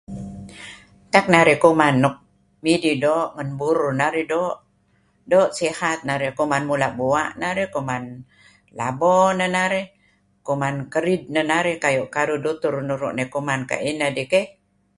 Tak narih kuman nuk midih doo' ngen burur narih doo' sihat narih. May kuman mula' bua' narih . Renga' narih kuman labo neh narih kuman kerid neh narih kayu' karuh dutur nuru' narih kuman nuk kayu' ineh dih keh.